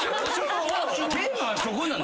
テーマはそこなの？